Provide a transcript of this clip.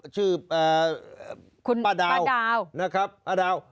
ชื่อคุณป้าดาวนะครับป้าดาว